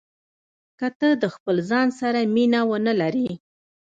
که ته د خپل ځان سره مینه ونه لرې.